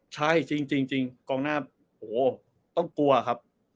ใช่จริงกองหน้าโอ้โหต้องกลัวครับ